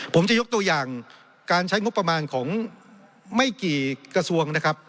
ผมจะยกตัวอย่างการใช้งบประมาณของไม่กี่กระทรวงนะครับ